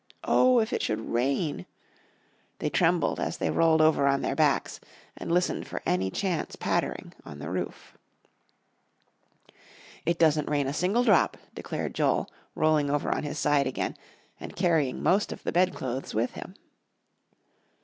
Oh, if it should rain! They trembled as they rolled over on their backs and listened for any chance pattering on the roof. "It doesn't rain a single drop," declared Joel, rolling over on his side again, and carrying most of the bedclothes with him.